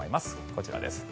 こちらです。